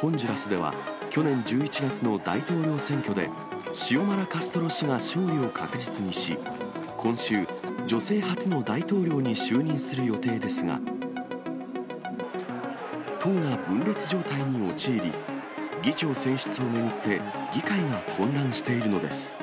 ホンジュラスでは、去年１１月の大統領選挙で、シオマラ・カストロ氏が勝利を確実にし、今週、女性初の大統領に就任する予定ですが、党が分裂状態に陥り、議長選出を巡って、議会が混乱しているのです。